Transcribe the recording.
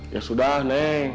ya sudah neng